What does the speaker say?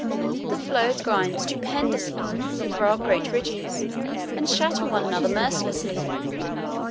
The floes grind stupendously, throw up great ridges, and shatter one another mercilessly.